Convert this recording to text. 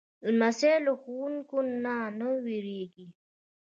لمسی له ښوونکو نه نه وېرېږي.